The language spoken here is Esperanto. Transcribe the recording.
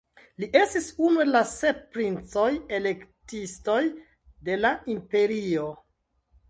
Li estis unu el la sep princoj-elektistoj de la imperio.